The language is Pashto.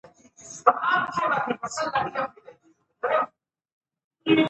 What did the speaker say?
زه سهار وختی پاڅیږم